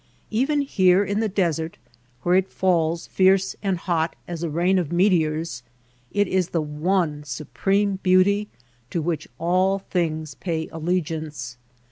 Even here in the desert, where it falls fierce and hot as a rain of meteors, it is the one supreme beauty to which all things pay allegiance.